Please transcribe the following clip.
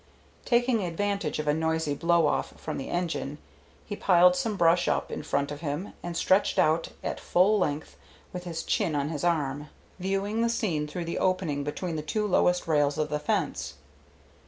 Taking advantage of a noisy blow off from the engine, he piled some brush up in front of him and stretched out at full length with his chin on his arm, viewing the scene through the opening between the two lowest rails of the fence.